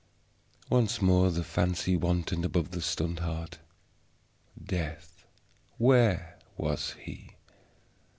Once more the fancy wantoned above the stunned heart. Death where was he?